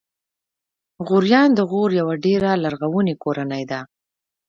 غوریان د غور یوه ډېره لرغونې کورنۍ ده.